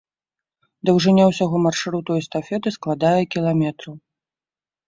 Даўжыня ўсяго маршруту эстафеты складае кіламетраў.